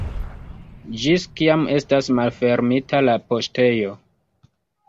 Ĝis kiam estas malfermita la poŝtejo?